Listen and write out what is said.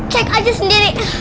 cek aja sendiri